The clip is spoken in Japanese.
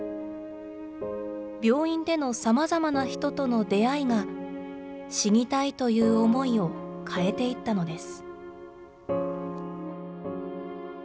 病院でのさまざまな人との出会いが、しにたいという思いを変えていったのです。